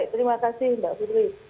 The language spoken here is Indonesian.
terima kasih mbak putri